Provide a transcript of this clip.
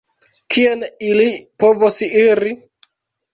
Kien ili povos iri?